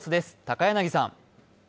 高柳さん。